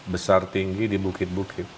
besar tinggi di bukit bukit